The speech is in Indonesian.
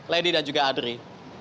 lady dan juga adri